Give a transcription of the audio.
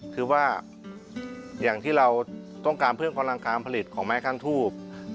คือว่าอย่างที่เราต้องการเพิ่มพลังการผลิตของไม้ขั้นทูบ